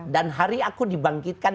dan hari aku dibangkitkan